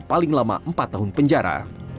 paling lama empat tahun penjara